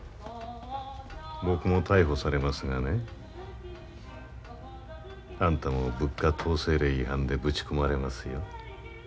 僕も逮捕されますがねあんたも物価統制令違反でぶち込まれますよ。